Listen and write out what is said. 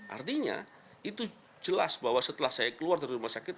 artinya itu jelas bahwa setelah saya keluar dari rumah sakit